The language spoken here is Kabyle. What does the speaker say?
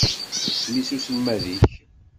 Isem-is uselmad-ik?